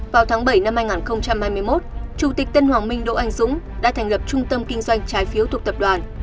vào tháng bảy năm hai nghìn hai mươi một chủ tịch tân hoàng minh đỗ anh dũng đã thành lập trung tâm kinh doanh trái phiếu thuộc tập đoàn